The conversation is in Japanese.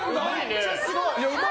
めっちゃすごい！